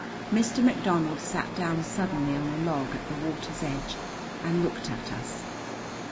Mr. McDonald sat down suddenly on a log at the water's edge and looked at us.